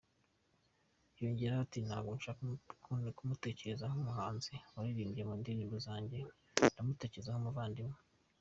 Yongeraho ati “Ntabwo nshaka kumutekereza nk’umuhanzi waririmbye mu ndirimbo zanjye, ndamutekereza nk’umuvandimwe.